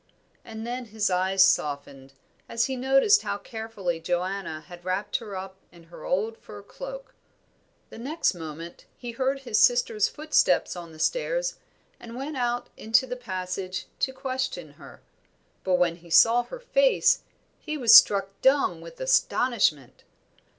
And then his eyes softened, as he noticed how carefully Joanna had wrapped her up in her old fur cloak. The next moment he heard his sister's footsteps on the stairs, and went out into the passage to question her. But when he saw her face, he was struck dumb with astonishment.